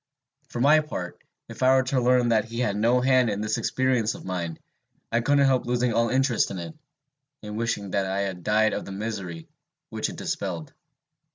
For my part, if I were to learn that he had no hand in this experience of mine, I couldn't help losing all interest in it, and wishing that I had died of the misery which it dispelled.